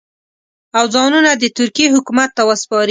او ځانونه د ترکیې حکومت ته وسپاري.